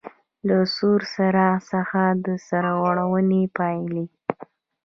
له سور څراغ څخه د سرغړونې پاېلې: